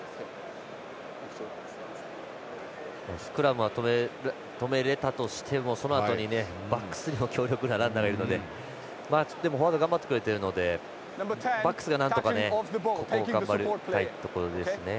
スクラムは止められたとしてもそのあとに、バックスにも強力なランナーがいるのでフォワード頑張ってくれてるのでバックスがなんとかここ頑張りたいところですね。